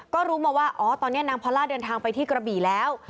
ก็รู้มาว่าอ๋อตอนนี้นางพอล่าเดินทางไปที่กระบี่แล้ว